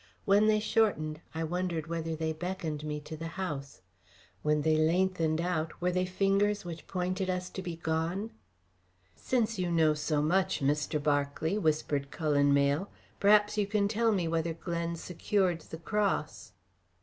When they shortened, I wondered whether they beckoned me to the house; when they lengthened out, were they fingers which pointed to us to be gone? "Since you know so much, Mr. Berkeley," whispered Cullen Mayle, "perhaps you can tell me whether Glen secured the cross."